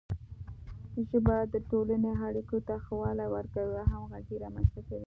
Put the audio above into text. ژبه د ټولنې اړیکو ته ښه والی ورکوي او همغږي رامنځته کوي.